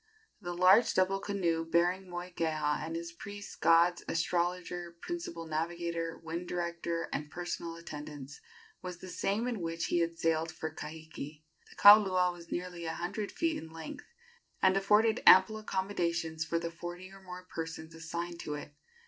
The large double canoe bearing Moikeha and his priests, gods, astrologer, principal navigator, wind director and personal attendants, was the same in which he had sailed for Kahiki. The kaulua was nearly a hundred feet in length, and afforded ample accommodations for the forty or more persons assigned to it.